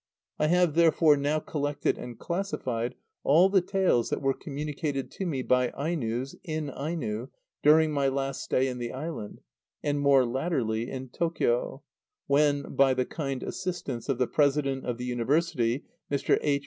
I have, therefore, now collected and classified all the tales that were communicated to me by Ainos, in Aino, during my last stay in the island, and more latterly in Tōkyō, when, by the kind assistance of the President of the University, Mr. H.